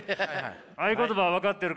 合言葉は分かってるか？